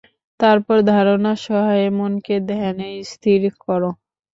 তারপর ধারণা-সহায়ে মনকে ধ্যানে স্থির কর।